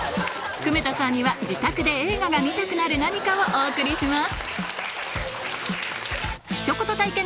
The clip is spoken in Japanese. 久米田さんには自宅で映画が見たくなる何かをお送りします